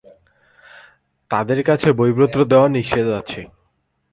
তাদের কাছে বইপত্র দেয়া নিষেধ আছে।